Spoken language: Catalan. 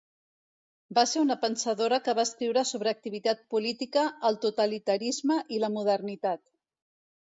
Va ser una pensadora que va escriure sobre activitat política, el totalitarisme i la modernitat.